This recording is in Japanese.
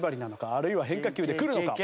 あるいは変化球でくるのか？